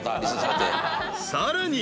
［さらに］